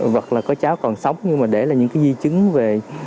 hoặc là có cháu còn sống nhưng để là những di chứng về